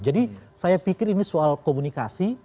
jadi saya pikir ini soal komunikasi